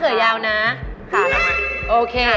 คะน้ำมัด